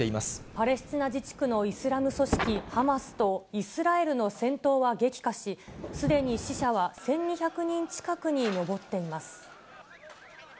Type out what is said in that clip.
パレスチナ自治区のイスラム組織ハマスとイスラエルの戦闘は激化し、すでに死者は１２００人近くに上っています。